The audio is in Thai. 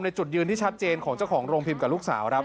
ในจุดยืนที่ชัดเจนของเรียกเลยของเจ้าของโรงพิมพ์กับลูกสาวครับ